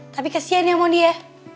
tapi kesian ya mondi ya